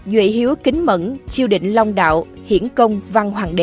duệ hiếu kính mẫn chiêu định long đạo hiển công văn hoàng đế